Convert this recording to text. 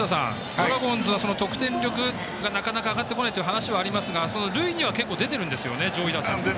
ドラゴンズは得点力がなかなか上がってこないという話がありますが、塁には結構、出てるんですよね上位打線。